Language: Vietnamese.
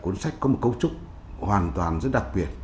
cuốn sách có một cấu trúc hoàn toàn rất đặc biệt